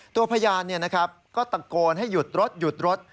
ตัวพยายามเนี่ยนะครับก็ตะโกนให้หยุดรถหยุดรถ